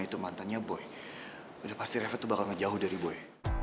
itu mantannya boy udah pasti refer tuh bakal ngejauh dari boy